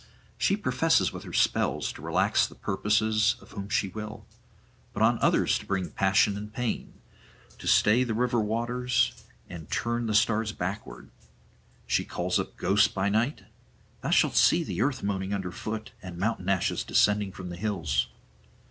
She professes with her spells to relax the purposes of whom she will, but on others to bring passion and pain; to stay the river waters and turn the stars backward: she calls up ghosts by night; thou shalt see earth moaning under foot and mountain ashes descending from the hills.